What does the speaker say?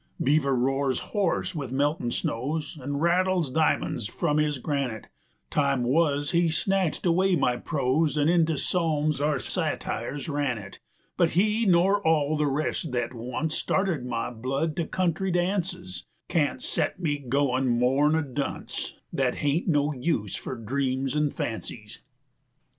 Beaver roars hoarse with meltin' snows, 105 An' rattles di'mon's from his granite; Time wuz, he snatched away my prose, An' into psalms or satires ran it; But he, nor all the rest thet once Started my blood to country dances, 110 Can't set me goin' more 'n a dunce Thet hain't no use for dreams an' fancies.